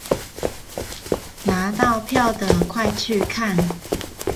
拿到票的快去看